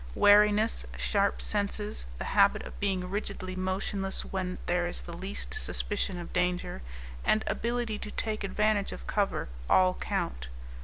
Wariness, sharp senses, the habit of being rigidly motionless when there is the least suspicion of danger, and ability to take advantage of cover, all count.